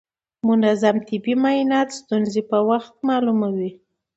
منظم طبي معاینات ستونزې په وخت کې معلوموي.